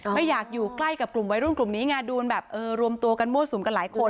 ไม่อยากอยู่ใกล้กับกลุ่มวัยรุ่นกลุ่มนี้ไงดูมันแบบเออรวมตัวกันมั่วสุมกันหลายคน